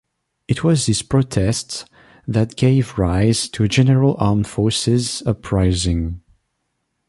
It was these protests that gave rise to a general armed forces uprising.